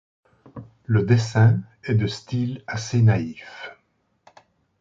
Le dessin est de style assez naïf.